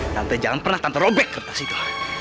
nanti jangan pernah tante robek kertas itu